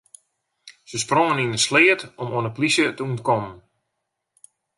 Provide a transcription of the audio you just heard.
Se sprongen yn in sleat om oan de polysje te ûntkommen.